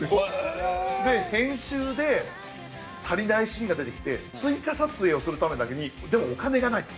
編集で足りないシーンが出てきて追加撮影をするためだけにでもお金がないと。